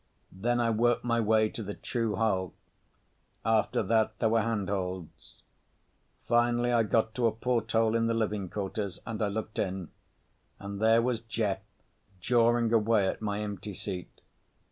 Then I worked my way to the true hull. After that there were handholds. Finally I got to a porthole in the living quarters, and I looked in, and there was Jeff jawing away at my empty seat.